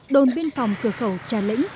đồn biên phòng cửa khẩu trà lĩ